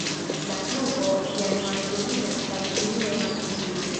La pluvo januare kulminas kaj junie malkulminas.